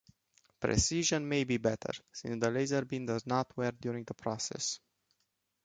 Precision may be better, since the laser beam does not wear during the process.